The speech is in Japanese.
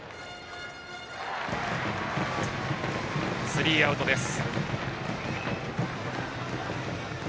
スリーアウトです。